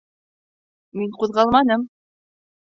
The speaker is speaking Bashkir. Мин ҡуҙғалманым.